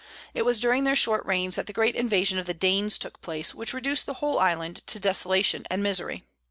It was during their short reigns that the great invasion of the Danes took place, which reduced the whole island to desolation and misery.